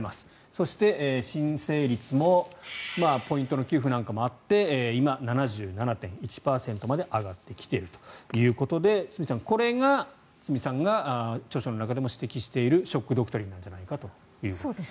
そして申請率もポイントの給付なんかもあって今、７７．１％まで上がってきているということで堤さん、これが堤さんが著書の中でも指摘しているショック・ドクトリンなんじゃないかということですね。